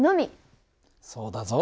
そうだぞ。